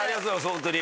ホントに。